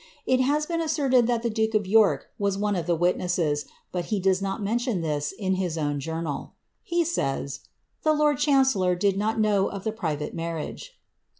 * It I been asserted that the duke of York was one of the witnesses, but does not mention this in his own journal.' He says, ^ the lord chan lor did not know of the private marriage.